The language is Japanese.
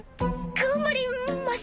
頑張ります。